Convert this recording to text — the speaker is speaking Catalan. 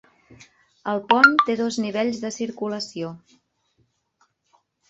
El pont té dos nivells de circulació.